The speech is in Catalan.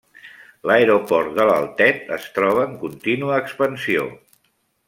L'aeroport de l'Altet es troba en contínua expansió.